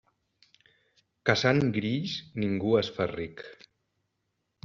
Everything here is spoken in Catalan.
Caçant grills ningú es fa ric.